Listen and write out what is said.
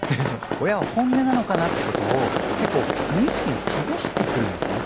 親の本音なのかなということを無意識に試してくるんです。